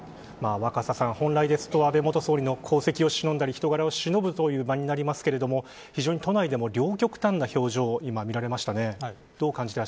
若狭さん、本来ですと安倍元総理の功績をしのんだり人柄をしのぶ場になりますが非常に都内でも両極端な表情が今、見られましたね。